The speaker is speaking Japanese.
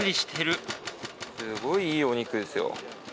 すごいいいお肉ですよ。